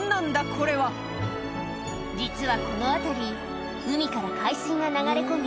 これは実はこの辺り海から海水が流れ込み